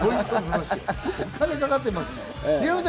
お金かかってますもん。